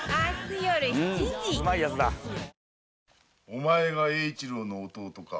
お前が英一郎の弟か？